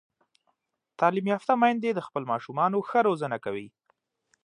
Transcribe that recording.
تعلیم یافته میندې د خپلو ماشومانو ښه روزنه کوي.